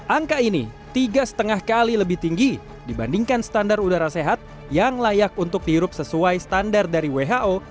angka ini tiga lima kali lebih tinggi dibandingkan standar udara sehat yang layak untuk dirup sesuai standar dari who